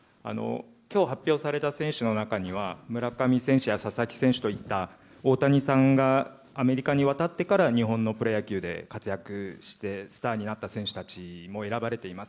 きょう発表された選手の中には、村上選手や佐々木選手といった、大谷さんがアメリカに渡ってから日本のプロ野球で活躍して、スターになった選手たちも選ばれています。